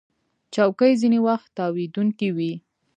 چوکۍ ځینې وخت تاوېدونکې وي.